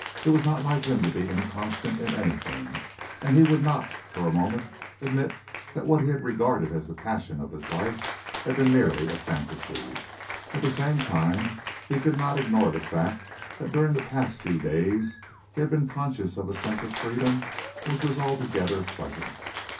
It was not like him to be inconstant in anything, and he would not for a moment admit that what he had regarded as the passion of his life had been merely a fantasy. At the same time, he could not ignore the fact that during the last few days he had been conscious of a sense of freedom which was altogether pleasant.